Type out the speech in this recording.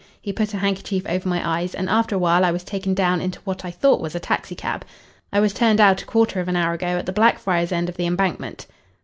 He put a handkerchief over my eyes, and after a while I was taken down into what I thought was a taxicab. I was turned out a quarter of an hour ago at the Blackfriars end of the Embankment."